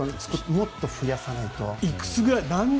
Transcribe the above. もっと増やさないと。